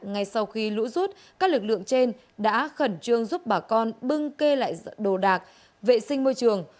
ngay sau khi lũ rút các lực lượng trên đã khẩn trương giúp bà con bưng kê lại đồ đạc vệ sinh môi trường